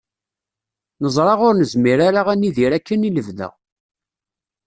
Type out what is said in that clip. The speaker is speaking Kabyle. Neẓra ur nezmir ara ad nidir akken i lebda.